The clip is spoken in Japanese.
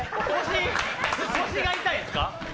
腰が痛いんすか？